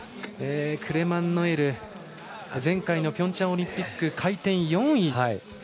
クレマン・ノエル前回のピョンチャンオリンピック回転４位。